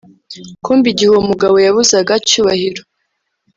kumbe igihe uwo mugabo yabuzaga cyubahiro